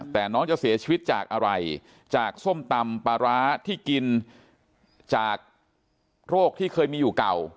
แต่น้องจะเสียชีวิตจากอะไรจากส้มตำปลาร้าที่กินจากโรคที่เคยมีอยู่เก่า